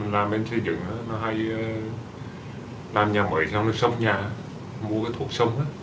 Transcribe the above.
làm bên xây dựng nó hay làm nhà mới xong nó sống nhà mua cái thuốc sống